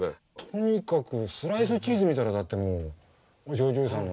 とにかくスライスチーズ見たらだってもうジョージおじさんの。